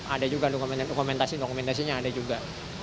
ada juga dokumentasi dokumentasinya ada juga